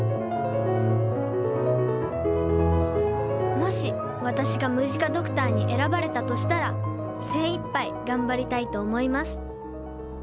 もし私がムジカドクターに選ばれたとしたら精いっぱい頑張りたいと思います